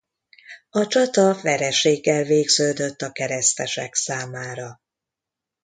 A csata vereséggel végződött a keresztesek számára.